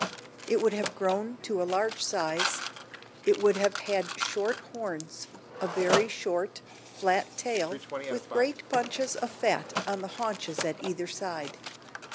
It would have grown to a large size; it would have had short horns, a very short, flat tail, with great bunches of fat on the haunches at either side.